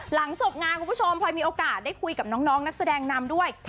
หลังจบงานคุณผู้ชมพลอยมีโอกาสได้คุยกับน้องนักแสดงนำด้วย